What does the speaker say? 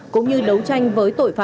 cũng như đấu tranh với tội phạm